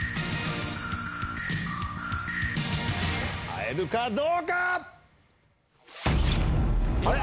会えるかどうか⁉あれ？